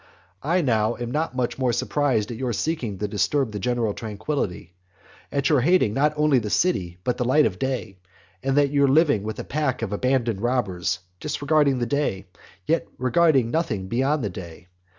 I now am not much surprised at your seeking to disturb the general tranquillity; at your hating not only the city but the light of day; and at your living with a pack of abandoned robbers, disregarding the day, and yet regarding nothing beyond the day.